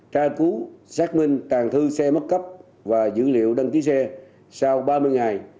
tra cứu xác minh tàng thư xe mất cấp và dữ liệu đăng ký xe sau ba mươi ngày